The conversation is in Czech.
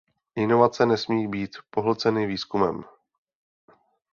Inovace nesmí být pohlceny výzkumem.